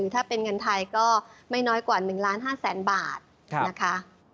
ถ้าเป็นเงินไทยก็ไม่น้อยกว่า๑ล้าน๕แสนบาทนะคะ